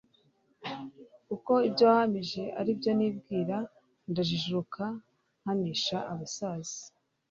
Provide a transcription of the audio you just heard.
kuko ibyo wahamije aribyo nibwira. Ndajijuka nkanisha abasaza,